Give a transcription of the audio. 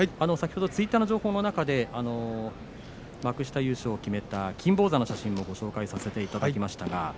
先ほどツイッターの情報の中で幕下優勝決めた金峰山の写真もご紹介させていただきました。